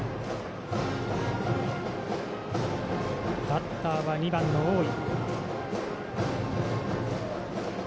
バッターは２番の大井。